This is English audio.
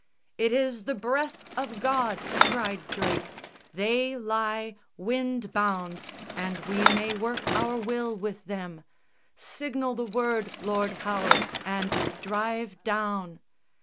"It is the breath of God," cried Drake; "they lie Wind bound, and we may work our will with them. Signal the word, Lord Howard, and drive down!"